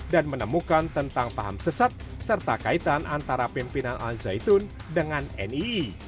dan menemukan tentang paham sesat serta kaitan antara pimpinan al zaitun dengan nii